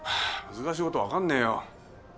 難しいことは分かんねえよ